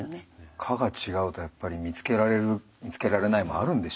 科が違うとやっぱり見つけられる見つけられないもあるんでしょうね。